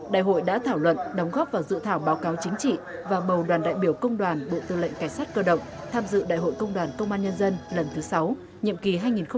đại hội đã thảo luận đóng góp vào dự thảo báo cáo chính trị và bầu đoàn đại biểu công đoàn bộ tư lệnh cảnh sát cơ động tham dự đại hội công đoàn công an nhân dân lần thứ sáu nhiệm kỳ hai nghìn hai mươi hai nghìn hai mươi sáu